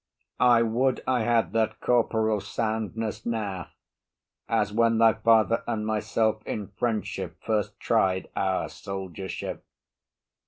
I would I had that corporal soundness now, As when thy father and myself in friendship First tried our soldiership.